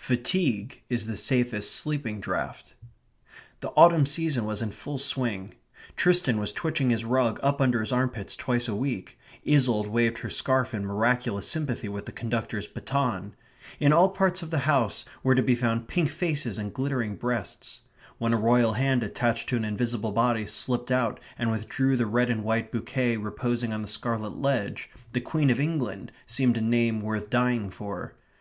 Fatigue is the safest sleeping draught. The autumn season was in full swing. Tristan was twitching his rug up under his armpits twice a week; Isolde waved her scarf in miraculous sympathy with the conductor's baton. In all parts of the house were to be found pink faces and glittering breasts. When a Royal hand attached to an invisible body slipped out and withdrew the red and white bouquet reposing on the scarlet ledge, the Queen of England seemed a name worth dying for.